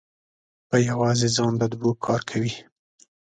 په یوازې ځان د دوو کار کوي.